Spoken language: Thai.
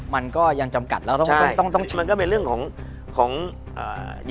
มันก็ยังจำกัดแล้ว